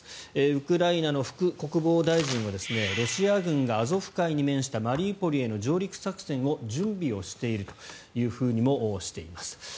ウクライナの副国防大臣はロシア軍がアゾフ海に面したマリウポリへの上陸作戦を準備をしているというふうにもしています。